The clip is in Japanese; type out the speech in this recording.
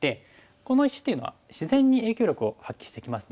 この石っていうのは自然に影響力を発揮してきますので。